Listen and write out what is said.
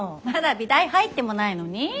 まだ美大入ってもないのに？